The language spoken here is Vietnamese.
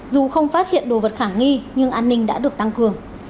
dù không phát hiện đồ vật khả nghi nhưng an ninh đã được tăng cường